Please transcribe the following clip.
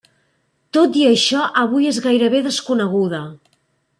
Tot i això avui és gairebé desconeguda.